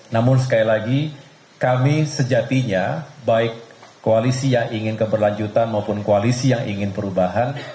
namun sekali lagi kami sejatinya baik koalisi yang ingin keberlanjutan maupun koalisi yang ingin perubahan